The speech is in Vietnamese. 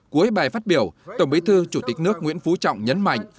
cuối bài phát biểu tổng bí thư chủ tịch nước nguyễn phú trọng nhấn mạnh